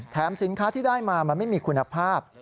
สินค้าที่ได้มามันไม่มีคุณภาพ